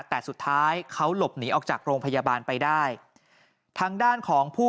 แต่สุดท้ายเขาหลบหนีออกจากโรงพยาบาลไปได้ทางด้านของผู้